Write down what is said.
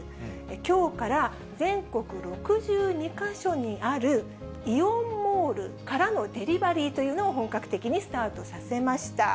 きょうから全国６２か所にあるイオンモールからのデリバリーというのを本格的にスタートさせました。